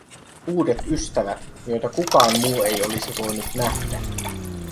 Uudet ystävät, joita kukaan muu ei olisi voinut nähdä.